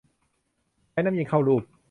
ใช้น้ำเย็นเข้าลูบ